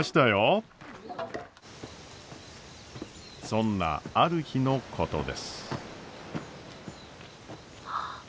そんなある日のことです。